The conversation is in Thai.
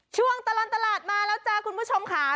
ช่วงตลอดตลาดมาแล้วจ้าคุณผู้ชมค่ะ